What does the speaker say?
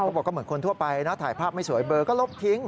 บอกก็เหมือนคนทั่วไปนะถ่ายภาพไม่สวยเบอร์ก็ลบทิ้ง